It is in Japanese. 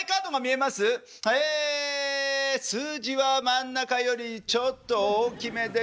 え数字は真ん中よりちょっと大きめです。